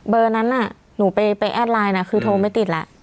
นั้นน่ะหนูไปแอดไลน์นะคือโทรไม่ติดแล้ว